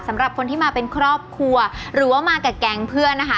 สำหรับคนที่มาเป็นครอบครัวหรือว่ามากับแก๊งเพื่อนนะคะ